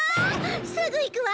すぐ行くわ！